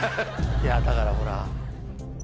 いやだからほら。